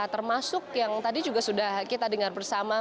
termasuk yang tadi juga sudah kita dengar bersama